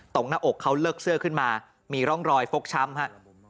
หน้าอกเขาเลิกเสื้อขึ้นมามีร่องรอยฟกช้ำฮะ